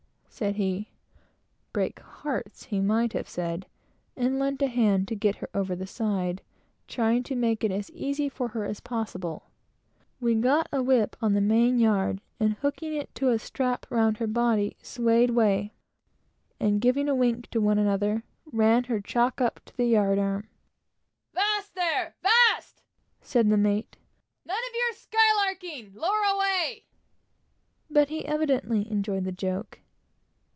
said he. "Break hearts," he meant to have said; and lent a hand to get her over the side, trying to make it as easy for her as possible. We got a whip up on the main yard, and hooking it to a strap around her body, swayed away; and giving a wink to one another, ran her chock up to the yard. "'Vast there! 'vast!" said the mate; "none of your skylarking! Lower away!" But he evidently enjoyed the joke.